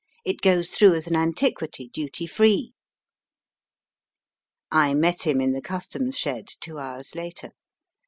It goes through as an antiquity, duty free." I met him in the Customs shed two hours later.